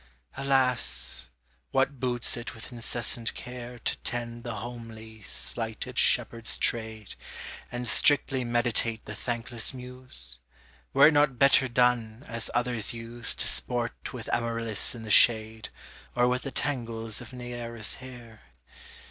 Alas! what boots it with incessant care To tend the homely, slighted shepherd's trade, And strictly meditate the thankless muse? Were it not better done, as others use, To sport with Amaryllis in the shade, Or with the tangles of Neaera's hair?